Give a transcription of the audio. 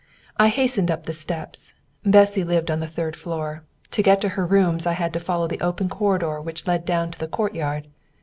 I hastened up the steps. Bessy lived on the third floor.... To get to her rooms I had to follow the open corridor which led down to the courtyard.